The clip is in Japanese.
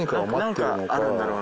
何かあるんだろうな。